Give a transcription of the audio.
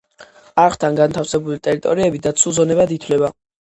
არხთან განთავსებული ტერიტორიები დაცულ ზონებად ითვლება.